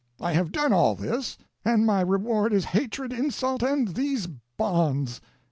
I have done all this, and my reward is hatred, insult, and these bonds.